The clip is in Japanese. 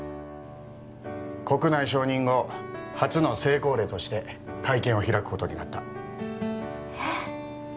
国内承認後初の成功例として会見を開くことになったえっ？